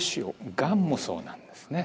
がんもそうなんですね